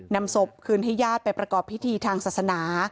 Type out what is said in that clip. นำศพคืนให้ญาติไปประกอบพิธีทางศาสนา